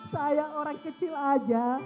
saya orang kecil aja